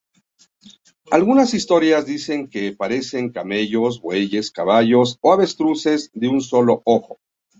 Algunas historias dicen que parecen camellos, bueyes, caballos o avestruces de un solo ojo.